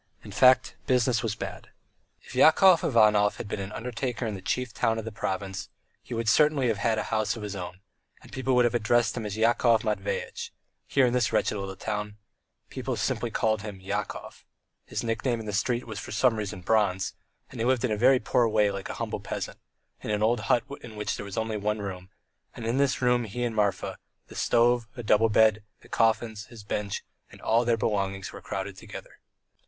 In fact business was bad. If Yakov Ivanov had been an undertaker in the chief town of the province he would certainly have had a house of his own, and people would have addressed him as Yakov Matveyitch; here in this wretched little town people called him simply Yakov; his nickname in the street was for some reason Bronze, and he lived in a poor way like a humble peasant, in a little old hut in which there was only one room, and in this room he and Marfa, the stove, a double bed, the coffins, his bench, and all their belongings were crowded together.